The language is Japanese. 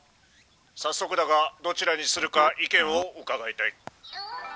早速だがどちらにするか意見を伺いたい。